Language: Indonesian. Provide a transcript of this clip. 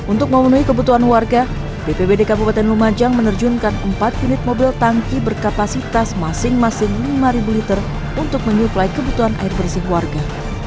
untuk memenuhi kebutuhan warga bpbd kabupaten lumajang menerjunkan empat unit mobil tangki berkapasitas masing masing lima liter untuk menyuplai kebutuhan air bersih warga